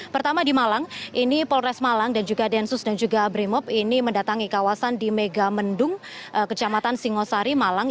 pertama di malang ini polres malang dan juga densus dan juga brimop ini mendatangi kawasan di megamendung kecamatan singosari malang